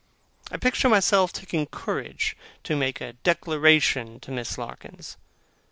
I picture myself taking courage to make a declaration to Miss Larkins.